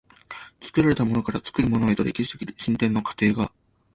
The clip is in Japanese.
作られたものから作るものへとの歴史的進展の過程が、